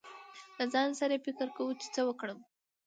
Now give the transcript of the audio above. له ځان سره يې فکر کو، چې څه ورکړم.